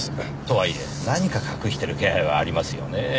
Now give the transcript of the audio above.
とはいえ何か隠してる気配はありますよねぇ。